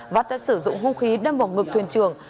vắt đã sử dụng hung khí đâm vào ngực thuyền trường